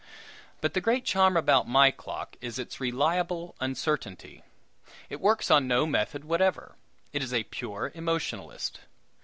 But the great charm about my clock is its reliable uncertainty. It works on no method whatever; it is a pure emotionalist.